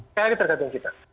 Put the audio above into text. sekali lagi tergantung kita